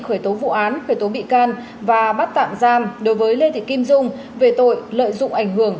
khởi tố vụ án khởi tố bị can và bắt tạm giam đối với lê thị kim dung về tội lợi dụng ảnh hưởng